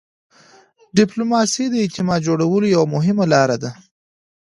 ډيپلوماسي د اعتماد جوړولو یوه مهمه لار ده.